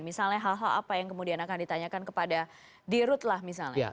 misalnya hal hal apa yang kemudian akan ditanyakan kepada dirut lah misalnya